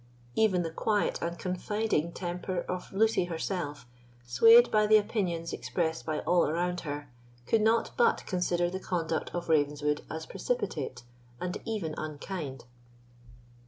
Even the quiet and confiding temper of Lucy herself, swayed by the opinions expressed by all around her, could not but consider the conduct of Ravenswood as precipitate, and even unkind.